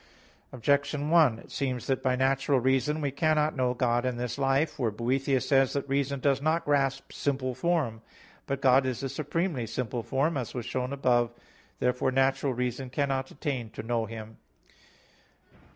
Objection 1: It seems that by natural reason we cannot know God in this life. For Boethius says (De Consol. v) that "reason does not grasp simple form." But God is a supremely simple form, as was shown above (Q. 3, A. 7). Therefore natural reason cannot attain to know Him.